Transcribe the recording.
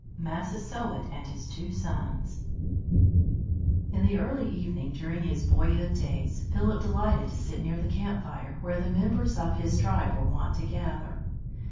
MASSASOIT AND HIS TWO SONS In the early evening, during his boyhood days, Philip delighted to sit near the camp fire where the members of his tribe were wont to gather.